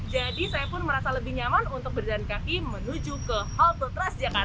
jadi saya pun merasa lebih nyaman untuk berjalan kaki menuju ke kota tua